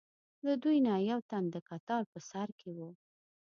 له دوی نه یو تن د کتار په سر کې و.